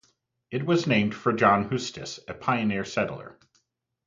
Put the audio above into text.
It was named for John Hustis, a pioneer settler.